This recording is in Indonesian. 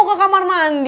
yaudah sana ke kamar mandi